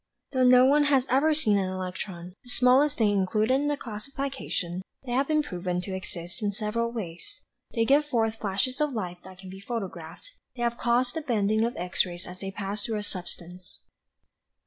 "Though no one has even seen an electron, the smallest thing included in the classification, they have been proved to exist in several ways. They give forth flashes of light that can be photographed. They have caused the bending of X rays as they pass through a substance."